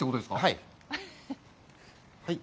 はい。